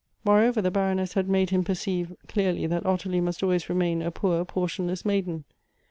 Moreover, the Baroness had made him perceive clearly th.at Ottilie must .always remain a poor portionless maiden.